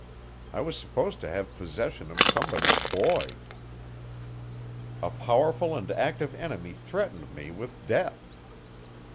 I was supposed to have possession of somebody's boy. A powerful and active enemy threatened me with death.